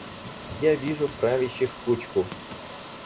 Я вижу правящих кучку.